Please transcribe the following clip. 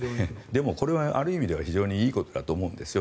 でもこれはある意味では非常にいいことだと思うんですよ